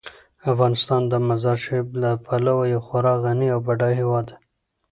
افغانستان د مزارشریف له پلوه یو خورا غني او بډایه هیواد دی.